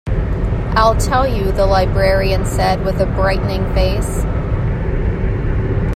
I'll tell you, the librarian said with a brightening face.